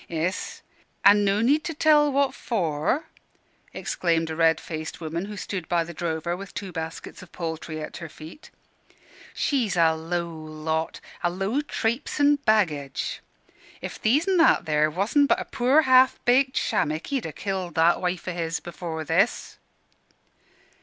"Iss, an' no need to tell what for," exclaimed a red faced woman who stood by the drover, with two baskets of poultry at her feet. "She's a low lot; a low trapesin' baggage. If These an' That, there, wasn' but a poor, ha'f baked shammick, he'd ha' killed that wife o' his afore this."